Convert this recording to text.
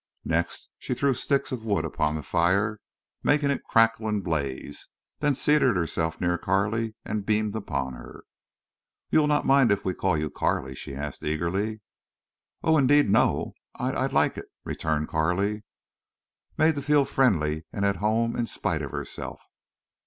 Next she threw sticks of wood upon the fire, making it crackle and blaze, then seated herself near Carley and beamed upon her. "You'll not mind if we call you Carley?" she asked, eagerly. "Oh, indeed no! I—I'd like it," returned Carley, made to feel friendly and at home in spite of herself.